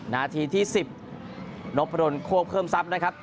นาทีที่๑๐นพดลโคกเพิ่มทรัพย์นะครับ